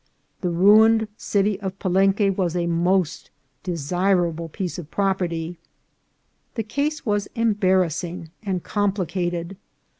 The ruined city of Palenque was a most desirable piece of property. The case was embarrassing and complicated.